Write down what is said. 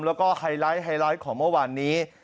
แล้วก็ไฮไลท์ของเมื่อวานนี้